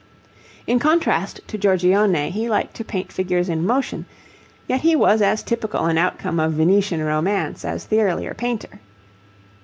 In contrast to Giorgione he liked to paint figures in motion, yet he was as typical an outcome of Venetian romance as the earlier painter.